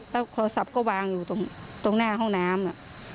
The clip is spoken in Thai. แล้วโทรศัพท์ก็วางอยู่ตรงหน้าห้องน้ำ